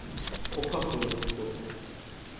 O kahrolası korku…